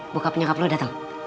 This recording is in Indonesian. buka penyokap lu dateng